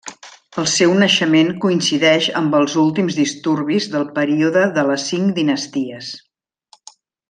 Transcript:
El seu naixement coincideix amb els últims disturbis del període de les Cinc Dinasties.